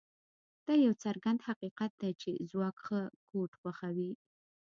دا یو څرګند حقیقت دی چې ځواک ښه کوډ خوښوي